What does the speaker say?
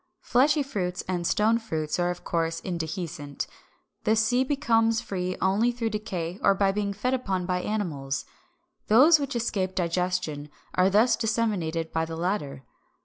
Fleshy fruits and stone fruits are of course indehiscent. The seed becomes free only through decay or by being fed upon by animals. Those which escape digestion are thus disseminated by the latter.